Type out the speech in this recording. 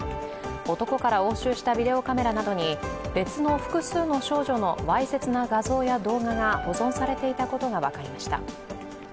男から押収したビデオカメラなどに別の複数の少女のわいせつな画像や動画が保存されていたことが分かりました。